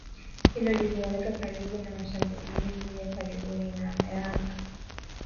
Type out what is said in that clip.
Hilo linawaweka karibu na mashambulizi ya karibuni ya anga